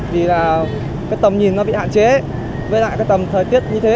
vì là cái tầm nhìn nó bị hạn chế với lại cái tầm thời tiết như thế